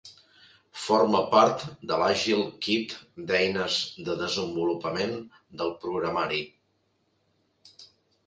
Forma part de l'àgil kit d'eines de desenvolupament del programari.